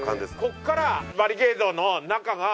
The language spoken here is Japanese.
ここからバリケードの中が。